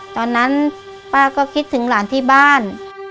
ตอนนั้นป้าก็คิดถึงหลานที่บ้าน